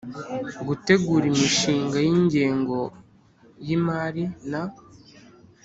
Gutegura imishinga y ingengo y imari na